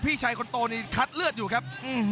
พี่ชายคนโตนี่คัดเลือดอยู่ครับ